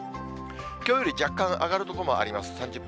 きょうより若干上がる所もあります。